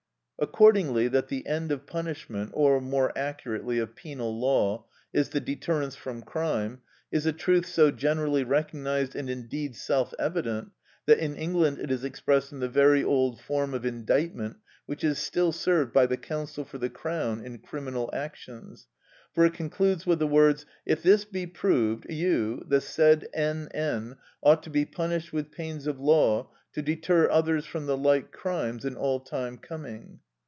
Accordingly that the end of punishment, or more accurately of penal law, is the deterrence from crime, is a truth so generally recognised and indeed self evident, that in England it is expressed in the very old form of indictment which is still served by the counsel for the Crown in criminal actions, for it concludes with the words, "If this be proved, you, the said N. N., ought to be punished with pains of law, to deter others from the like crimes in all time coming."